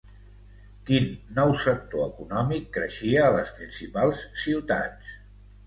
Quin nou sector econòmic creixia a les principals ciutats?